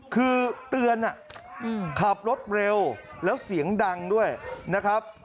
คือเตือนขับรถเร็วแล้วเสียงดังด้วยนะครับ